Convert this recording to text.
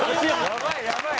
やばいやばい！